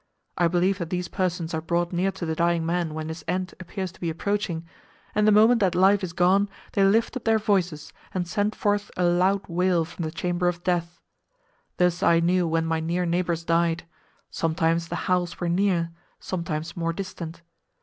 I believe that these persons are brought near to the dying man when his end appears to be approaching, and the moment that life is gone they lift up their voices and send forth a loud wail from the chamber of death. Thus I knew when my near neighbours died; sometimes the howls were near, sometimes more distant.